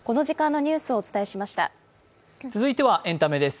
続いてはエンタメです。